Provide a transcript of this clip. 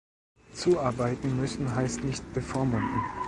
Zuarbeiten müssen heißt nicht bevormunden.